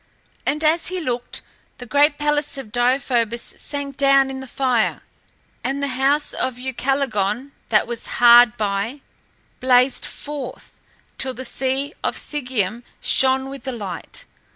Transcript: And as he looked, the great palace of Deïphobus sank down in the fire and the house of Ucalegon that was hard by, blazed forth, till the sea by Sigeüm shone with the light.